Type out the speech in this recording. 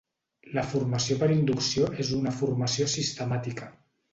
La formació per inducció és una formació sistemàtica.